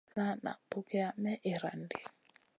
La na pugiya may irandi.